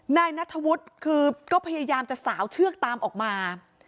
นายนัทธวุฒิคือก็พยายามจะสาวเชือกตามออกมา